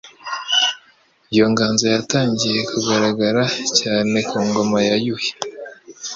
Iyi nganzo yatangiye kugaragara cyane ku ngoma ya Yuhi